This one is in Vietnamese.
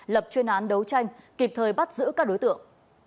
lập chuyên án đấu tranh kịp thời bắt giữ các đối tượng